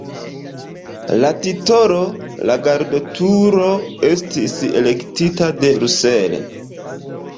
La titolo "La Gardoturo" estis elektita de Russell.